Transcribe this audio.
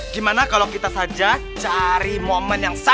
gimana kalau kita saja cari momen yang sama